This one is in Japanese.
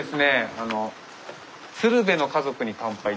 あの「鶴瓶の家族に乾杯」っていう。